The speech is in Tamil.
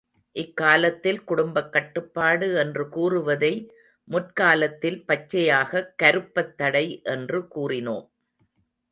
இக் காலத்தில் குடும்பக்கட்டுப்பாடு என்று கூறுவதை முற்காலத்தில் பச்சையாகக் கருப்பத்தடை என்று கூறினோம்.